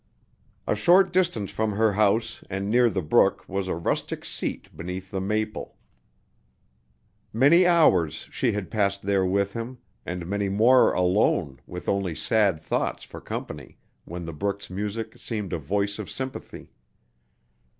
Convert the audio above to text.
A short distance from her house and near the brook was a rustic seat beneath the maple. Many hours she had passed there with him, and many more alone with only sad thoughts for company, when the brook's music seemed a voice of sympathy.